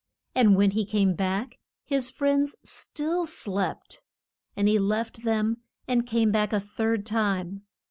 And when he came back his friends still slept! And he left them and came back a third time.